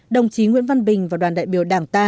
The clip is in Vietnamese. đồng chí nguyễn văn bình và đoàn đại biểu đảng